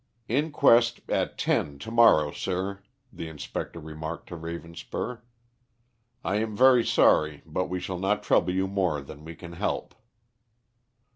"Inquest at ten to morrow, sir," the inspector remarked to Ravenspur. "I am very sorry, but we shall not trouble you more than we can help."